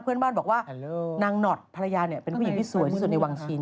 เพื่อนบ้านบอกว่านางหนอดภรรยาเป็นผู้หญิงที่สวยที่สุดในวังชิน